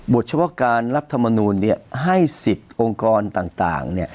เฉพาะการรัฐมนูลให้สิทธิ์องค์กรต่าง